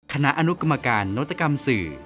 คณะอนุกรรมการนวัตกรรมสื่อ